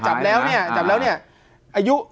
จับแล้วเนี่ยจับแล้วเนี่ยอายุ